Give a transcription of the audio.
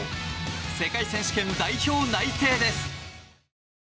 世界選手権代表内定です。